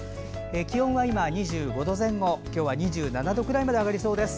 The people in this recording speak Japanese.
気温は今、２５度前後今日は２７度くらいまで上がりそうです。